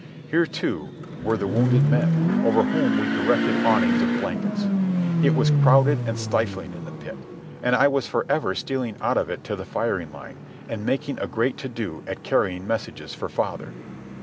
Here, too, were the wounded men, over whom we erected awnings of blankets. It was crowded and stifling in the pit, and I was for ever stealing out of it to the firing line, and making a great to do at carrying messages for father.